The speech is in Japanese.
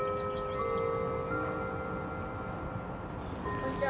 こんにちは。